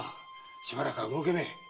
しばらくは動けめえ。